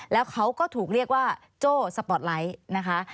แล้วเขาก็ถูกเรียกว่าโจ้สปอร์ตไลท์นะคะ